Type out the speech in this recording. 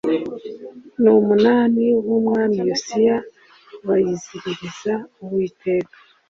n umunani w umwami yosiya bayiziririza uwiteka